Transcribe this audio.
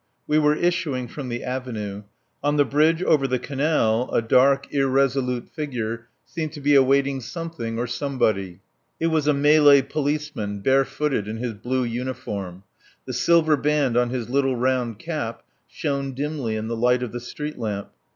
We were issuing from the avenue. On the bridge over the canal a dark, irresolute figure seemed to be awaiting something or somebody. It was a Malay policeman, barefooted, in his blue uniform. The silver band on his little round cap shone dimly in the light of the street lamp.